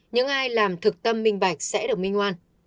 những ai làm thực tâm minh bạch sẽ được minh ngoan